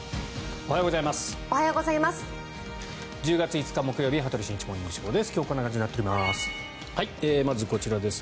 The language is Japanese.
おはようございます。